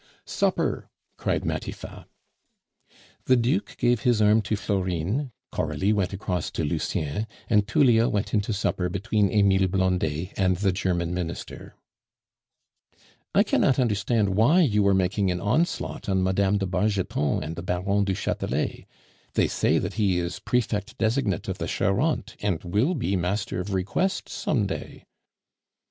"Supper!" cried Matifat. The Duke gave his arm to Florine, Coralie went across to Lucien, and Tullia went in to supper between Emile Blondet and the German Minister. "I cannot understand why you are making an onslaught on Mme. de Bargeton and the Baron du Chatelet; they say that he is prefect designate of the Charente, and will be Master of Requests some day."